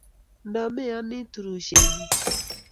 Ndo meyanii turishe nyii